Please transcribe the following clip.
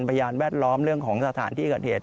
พยานแวดล้อมเรื่องของสถานที่เกิดเหตุ